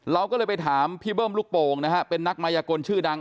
เราก็เลยไปถามพี่เบิ้มลูกโป่งนะฮะเป็นนักมายกลชื่อดัง